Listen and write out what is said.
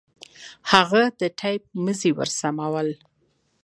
هغه د ټېپ مزي ورسمول.